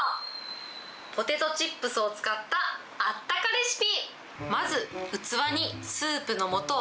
ポテトチップスを使ったあったかレシピ。